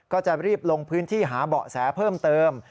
ก็จะรีบลงพื้นที่หาเบาะแสเพิ่มเติม